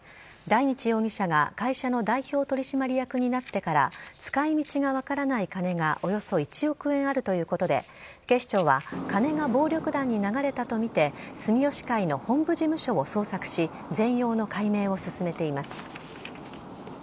大日容疑者が会社の代表取締役になってから、使いみちが分からない金がおよそ１億円あるということで、警視庁は金が暴力団に流れたと見て、住吉会の本部事務所を捜索し、全容の解明を進めています。